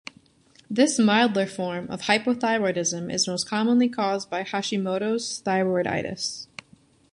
This milder form of hypothyroidism is most commonly caused by Hashimoto's thyroiditis.